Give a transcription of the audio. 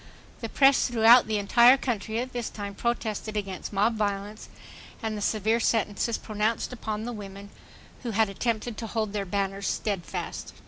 The press throughout the entire country at this time protested against mob violence and the severe sentences pronounced upon the women who had attempted to hold their banners steadfast.